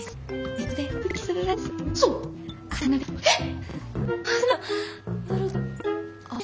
えっ！？